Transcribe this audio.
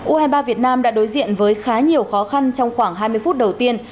u hai mươi ba việt nam đã đối diện với khá nhiều khó khăn trong khoảng hai mươi phút đầu tiên